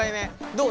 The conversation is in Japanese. どう？